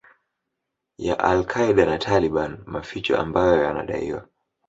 ya Al Qaeda na Taliban Maficho ambayo yanadaiwa